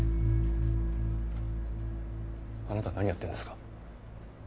あなたは何やってるんですか？